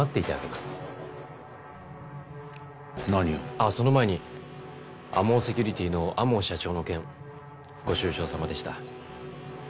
ああその前にＡＭＯセキュリティーの天羽社長の件ご愁傷さまでした。